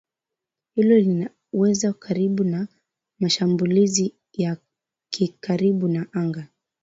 Hilo linawaweka karibu na mashambulizi ya karibuni ya anga ya